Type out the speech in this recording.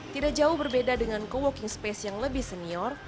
tidak jauh berbeda dengan co working space yang lebih senior